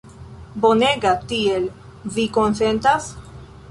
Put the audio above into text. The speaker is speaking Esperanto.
Bonega! Tiel, vi konsentas?